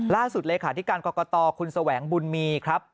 ล่าสุดเลยค่ะธิการกรกตคุณแสวงบุญมีครับ